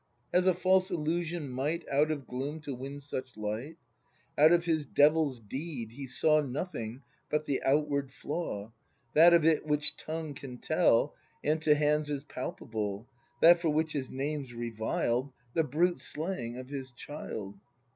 Has a false illusion might Out of gloom to win such light ? Of his devil's deed he saw Nothing but the outward flaw, — That of it which tongue can tell And to hands is palpable, — That for which his name's reviled, — The brute slaying of his child.